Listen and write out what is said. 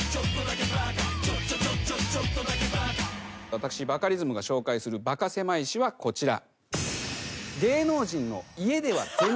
私バカリズムが紹介するバカせまい史はこちら。